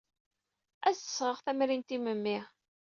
Ad as-d-sɣeɣ tamrint i memmi.